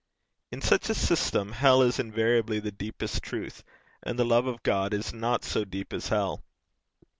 In such a system, hell is invariably the deepest truth, and the love of God is not so deep as hell.